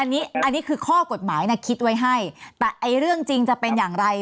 อันนี้อันนี้คือข้อกฎหมายนะคิดไว้ให้แต่ไอ้เรื่องจริงจะเป็นอย่างไร